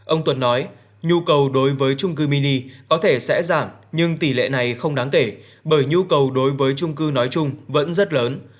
ông tuần nói nhu cầu đối với trung cư mini có thể sẽ giảm nhưng tỷ lệ này không đáng kể bởi nhu cầu đối với trung cư nói chung vẫn rất lớn